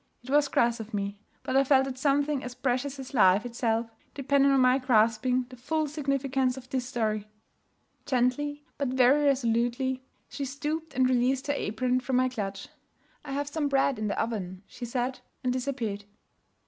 It was crass in me; but I felt that something as precious as life itself depended on my grasping the full significance of this story. Gently, but very resolutely, she stooped and released her apron from my clutch. 'I've some bread in the oven,' she said, and disappeared.